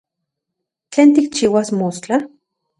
¿Tlen tikchiuas mostla?